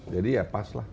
jadi ya pas lah